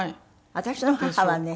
私の母はね